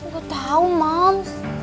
gak tau mams